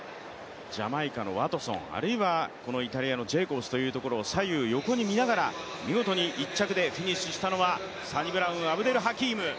ジャマイカのワトソン、あるいはイタリアのジェイコブスを左右横に見ながら、見事に１着でフィニッシュしたのはサニブラウン・アブデル・ハキーム。